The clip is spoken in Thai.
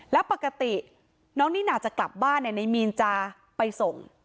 แล้วปกติน้องนี่น่าจะกลับบ้านในมีนจะไปส่ง